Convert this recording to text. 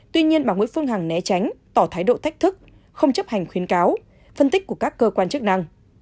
tuy nhiên bà nguyễn phương hằng né tránh tỏ thái độ thách thức không chấp hành khuyến cáo phân tích của các cơ quan chức năng